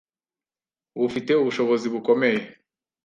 Bufite ubushobozi bukomeye".